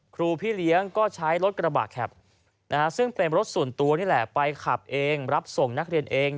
ครูพี่เลี้ยงก็ใช้รถกระบะแข็บซึ่งเป็นรถส่วนตัวนี่แหละไปขับเองรับส่งนักเรียนเอง